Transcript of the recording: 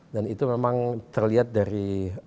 dan itu memang terlihat dari